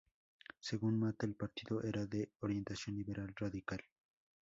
Según Mata el partido era de orientación liberal radical.